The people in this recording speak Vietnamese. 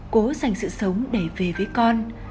cố dành sự sống để về với con